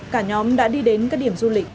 cả nhóm đã đi đến các điểm du lịch